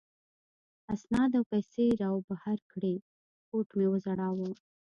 اسناد او پیسې را وبهر کړې، کوټ مې و ځړاوه.